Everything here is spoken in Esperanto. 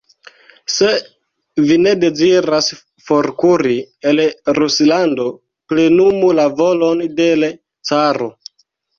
Se vi ne deziras forkuri el Ruslando, plenumu la volon de l' caro.